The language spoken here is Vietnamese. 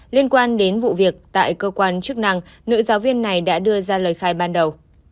liên quan đến vụ việc tại cơ quan chức năng nữ giáo viên này đã đưa ra lời khai ban đầu